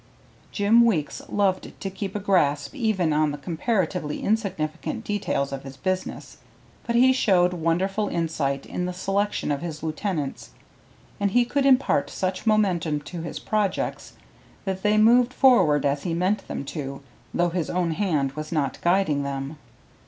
Jim Weeks loved to keep a grasp even on the comparatively insignificant details of his business, but he showed wonderful insight in the selection of his lieutenants, and he could impart such momentum to his projects that they moved forward as he meant them to, though his own hand was not guiding them.